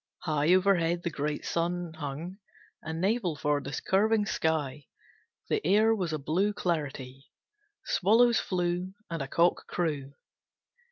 High overhead the great sun hung, A navel for the curving sky. The air was a blue clarity. Swallows flew, And a cock crew.